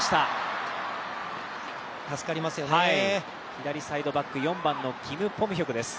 左サイドバック、キム・ポムヒョクです。